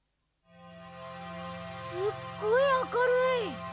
すっごいあかるい。